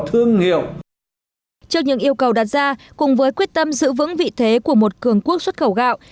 trước những yêu cầu đặt ra cùng với quyết tâm giữ vững vị thế của một cường quốc xuất khẩu gạo